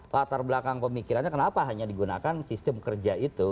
latar belakang pemikirannya kenapa hanya digunakan sistem kerja itu